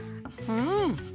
うん！